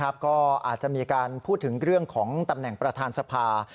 ก็อาจจะมีการพูดถึงเรื่องของตำแหน่งประธานสภา